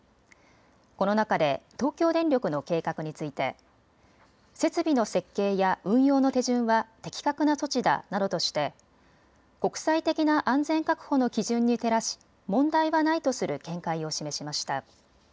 この中で東京電力の計画について設備の設計や運用の手順は的確な措置だなどとして国際的な安全確保の基準に照らし問題はないとする見解を示しました。